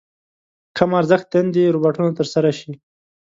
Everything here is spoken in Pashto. کم ارزښت دندې روباټونو تر سره شي.